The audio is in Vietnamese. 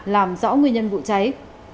làm rõ nguyên nhân vụ cháy